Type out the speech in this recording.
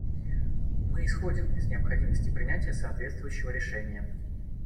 Мы исходим из необходимости принятия соответствующего решения.